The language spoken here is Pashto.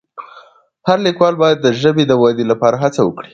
هر لیکوال باید د ژبې د ودې لپاره هڅه وکړي.